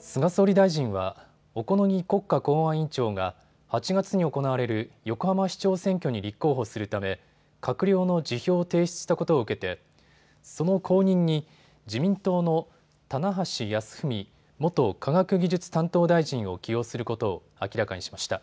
菅総理大臣は小此木国家公安委員長が８月に行われる横浜市長選挙に立候補するため閣僚の辞表を提出したことを受けてその後任に自民党の棚橋泰文元科学技術担当大臣を起用することを明らかにしました。